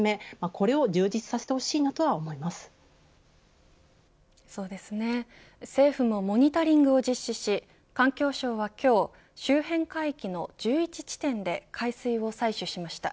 これを充実させてほしいと政府もモニタリングを実施し環境省は今日周辺海域の１１地点で海水を採取しました。